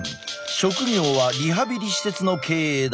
職業はリハビリ施設の経営だ。